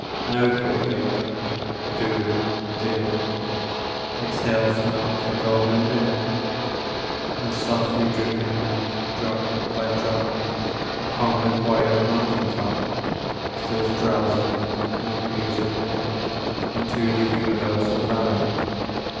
An opiate vapor, dewy, dim, Exhales from out her golden rim, And, softly dripping, drop by drop, Upon the quiet mountain top, Steals drowsily and musically Into the universal valley.